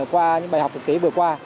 qua những bài học thực tế vừa qua